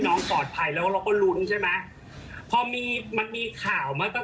นะคะตอนนี้กำลังดำเนินการอยู่ว่า